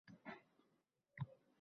Bir aytgan fikr barqarorlashdi